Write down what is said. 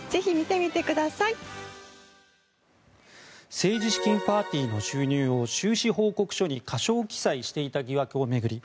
政治資金パーティーの収入を収支報告書に過少記載していた疑惑を巡り